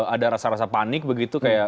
ada rasa rasa panik begitu kayak